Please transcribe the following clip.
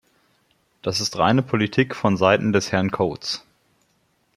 Das ist reine Politik von seiten des Herrn Coates.